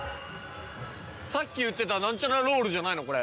さっき言ってた何ちゃらロールじゃないのこれ。